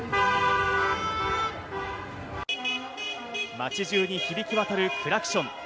街中に響き渡るクラクション。